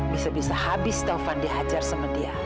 bisa bisa habis taufan dihajar sama dia